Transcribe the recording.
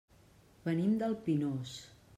Venim del Pinós.